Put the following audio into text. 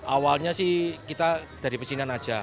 awalnya sih kita dari pecinan aja